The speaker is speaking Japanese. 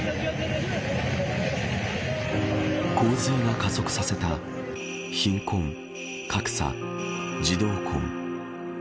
洪水が加速させた貧困、格差、児童婚。